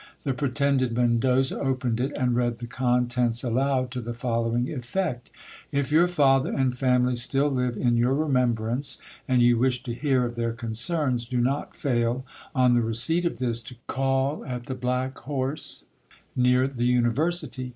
The pretended Mendoza opened it, and read the contents aloud to the following effect—" If your father and family still live in your remembrance, and you wish to hear of their concerns, do not fail, on the receipt of this, to call at the Black Horse, near the university."